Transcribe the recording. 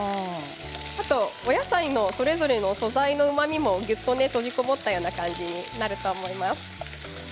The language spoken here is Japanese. あとお野菜それぞれのうまみもぎゅっと閉じこもったような感じになると思います。